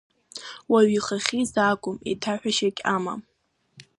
Уаҩы ихахьы изаагом, еиҭаҳәашьагьы амам…